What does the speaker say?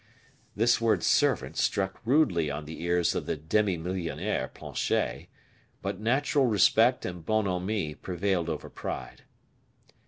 This word "servant" struck rudely on the ears of the demi millionnaire Planchet, but natural respect and bonhomie prevailed over pride.